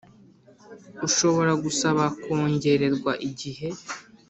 Ushobora gusaba kongererwa igihe